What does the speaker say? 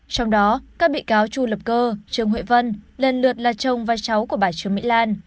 trong đó các bị cáo chu lập cơ trương huệ vân lần lượt là chồng và cháu của bà trương mỹ lan